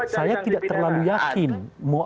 saya tidak terlalu berhati hati